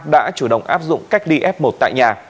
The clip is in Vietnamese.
đã chủ động áp dụng cách ly f một tại nhà